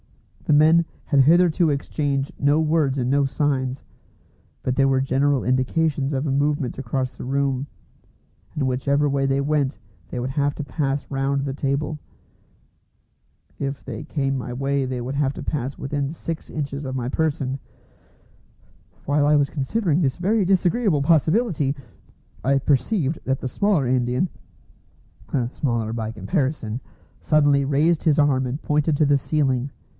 The men had hitherto exchanged no words and no signs, but there were general indications of a movement across the room, and whichever way they went they would have to pass round the table. If they came my way they would have to pass within six inches of my person. While I was considering this very disagreeable possibility, I perceived that the smaller Indian (smaller by comparison) suddenly raised his arm and pointed to the ceiling.